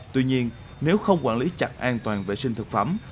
tuy nhiên nếu không quản lý chặt an toàn vệ sinh thực phẩm